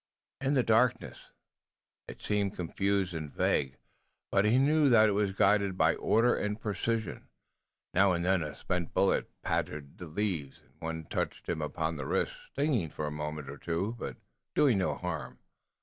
In the darkness it seemed confused and vague, but he knew that it was guided by order and precision. Now and then a spent bullet pattered upon the leaves, and one touched him upon the wrist, stinging for a moment or two, but doing no harm.